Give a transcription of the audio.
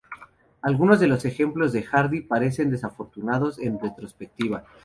Algunos de los ejemplos de Hardy parecen desafortunados en retrospectiva.